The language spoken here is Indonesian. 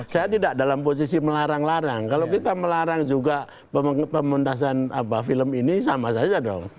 saya tidak dalam posisi melarang larang kalau kita melarang juga pemuntasan film ini sama saja dong